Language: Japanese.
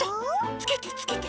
つけてつけて。